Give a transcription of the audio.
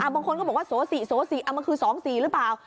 บางคนก็บอกว่าโสศีโสศีมันคือสองสีหรือเปล่า